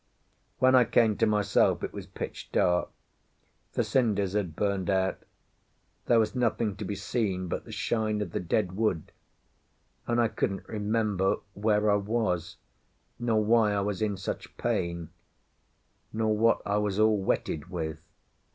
When I came to myself it was pitch dark; the cinders had burned out; there was nothing to be seen but the shine of the dead wood, and I couldn't remember where I was nor why I was in such pain nor what I was all wetted with.